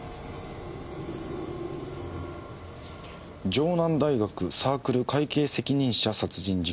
城南大学サークル会計責任者殺人事件。